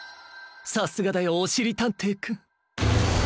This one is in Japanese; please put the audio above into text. さすがだよおしりたんていくん。